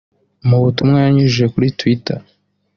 Mu butumwa yanyujije kuri Twitter